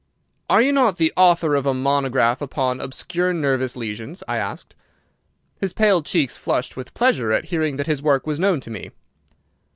"Are you not the author of a monograph upon obscure nervous lesions?" I asked. His pale cheeks flushed with pleasure at hearing that his work was known to me.